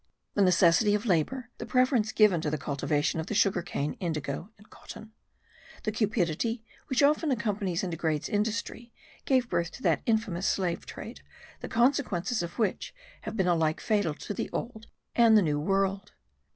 The necessity of labour, the preference given to the cultivation of the sugar cane, indigo, and cotton, the cupidity which often accompanies and degrades industry, gave birth to that infamous slave trade, the consequences of which have been alike fatal to the old and the new world.